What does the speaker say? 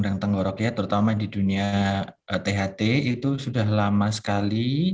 pedagang tenggorok ya terutama di dunia tht itu sudah lama sekali